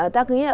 ta cứ nghĩ là